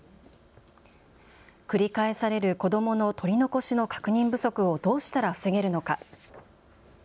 繰り返される子どもの取り残しの確認不足をどうしたら防げるのか。